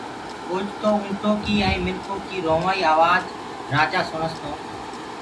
اوچتو اُنٚٺو ڪيٚ ائيٚنٚ مِنکو ڪيٚ رُووآئيٚ آواج رآجآ سُڻس تو